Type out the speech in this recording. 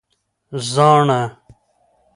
🦩زاڼه